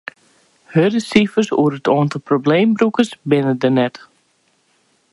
Hurde sifers oer it oantal probleembrûkers binne der net.